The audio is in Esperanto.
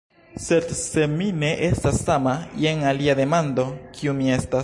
Sed se mi ne estas sama, jen alia demando; kiu mi estas?